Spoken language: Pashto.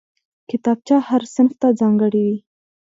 کتابچه هر صنف ته ځانګړې وي